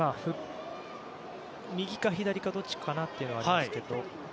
右か左かどっちかなというのはありますけど。